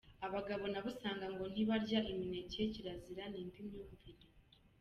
Abagabo nabo usanga ngo ntibarya imineke kirazira n’indi myumvire.